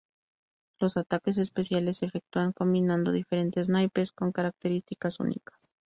Los ataques especiales se efectúan combinando diferentes naipes con características únicas.